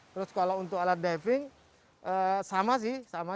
terus kalau untuk alat diving sama sih